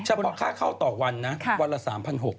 เฉพาะค่าเข้าต่อวันนะวันละ๓๖๐๐